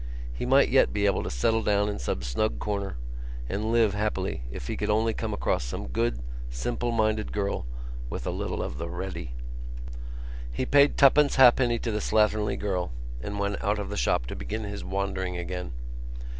He might yet be able to settle down in some snug corner and live happily if he could only come across some good simple minded girl with a little of the ready. He paid twopence halfpenny to the slatternly girl and went out of the shop to begin his wandering again.